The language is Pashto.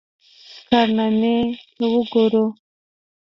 کارنامې ته وګورو.